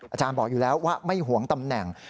อาจารย์บอกอยู่แล้วว่าไม่หวงตำแหน่ง